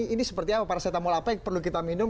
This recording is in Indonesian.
ini seperti apa paracetamol apa yang perlu kita minum